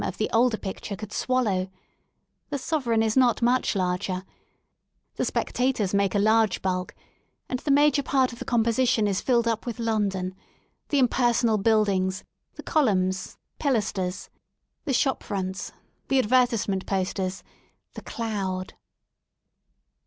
j of the older picture could swallow; the Sovereign is not much larger; the spectators make a large bulk, and the major part of the composition is filled up with London, the impersonal buildings, the columns, pilasters, the shop fronts, the advertisement posters^ — the cloud.